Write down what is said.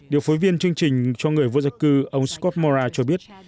điều phối viên chương trình cho người vô gia cư ông scott mora cho biết